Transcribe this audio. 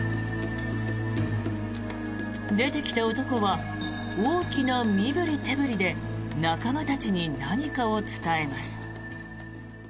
出てきた男は大きな身ぶり手ぶりで仲間たちに何かを伝えます。